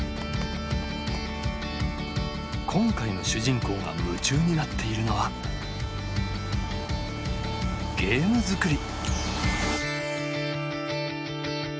今回の主人公が夢中になっているのはゲーム作り。